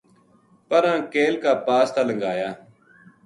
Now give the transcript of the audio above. پراں کیل کا پاس تا لنگھایا